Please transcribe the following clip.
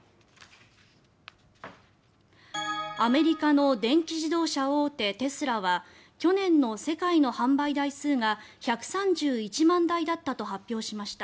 アメリカの電気自動車大手テスラは去年の世界の販売台数が１３１万台だったと発表しました。